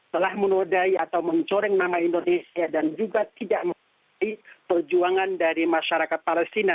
telah menodai atau mencoreng nama indonesia dan juga tidak memiliki perjuangan dari masyarakat palestina